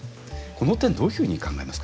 この点どういうふうに考えますか。